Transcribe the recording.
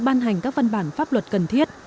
bàn hành các văn bản pháp luật cần thiết